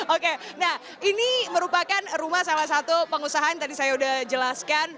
oke nah ini merupakan rumah salah satu pengusahaan tadi saya udah jelaskan